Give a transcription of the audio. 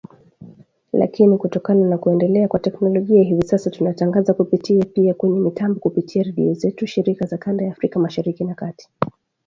Lakini kutokana na kuendelea kwa teknolojia hivi sasa tunatangaza kupitia pia kwenye mitambo kupitia redio zetu, shirika za kanda ya Afrika Mashariki na Kati.